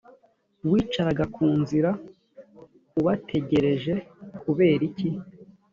wicaraga ku nzira ubategerejekuberiki